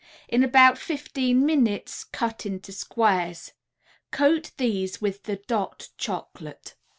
In about fifteen minutes cut into squares. Coat these with the "Dot" Chocolate.